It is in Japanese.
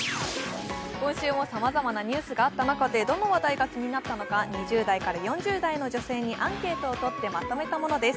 今週もさまざまなニュースがあった中でどの話題が気になったのか２０代から４０代の女性にアンケートをとってまとめたものです。